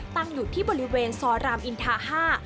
ตั้งอยู่ที่บริเวณซอยรามอินทา๕